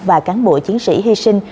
và cán bộ chiến sĩ hy sinh